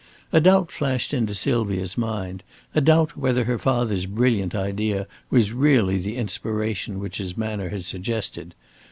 A doubt flashed into Sylvia's mind a doubt whether her father's brilliant idea was really the inspiration which his manner had suggested.